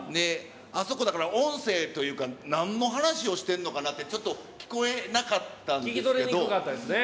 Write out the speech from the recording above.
あそこだから、音声というか、なんの話をしてんのかなって、ちょっと聞こえなかったんですけ聞き取りにくかったですね。